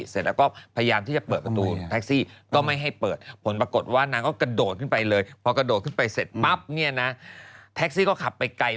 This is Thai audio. เสร็จแล้วก็พยายามที่จะเปิดประตูแท็กซี่